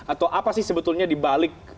atau apa sih sebetulnya dibalik